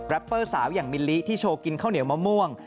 เปอร์สาวอย่างมิลลิที่โชว์กินข้าวเหนียวมะม่วง